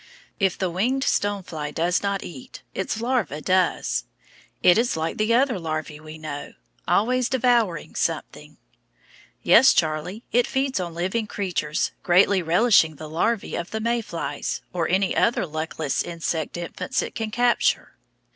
If the winged stone fly does not eat, its larva does; it is like the other larvæ we know, always devouring something. Yes, Charlie, it feeds on living creatures, greatly relishing the larvæ of the May flies, or any other luckless insect infants it can capture.